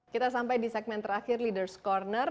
kita sampai di segmen terakhir leaders corner